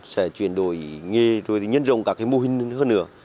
sẽ chuyển đổi nghề rồi nhân rộng các mô hình hơn nữa